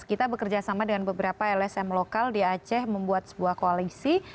kita bekerja sama dengan beberapa lsm lokal di aceh membuat sebuah koalisi